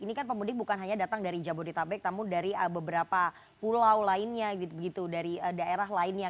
ini kan pemudik bukan hanya datang dari jabodetabek tapi dari beberapa pulau lainnya gitu dari daerah lainnya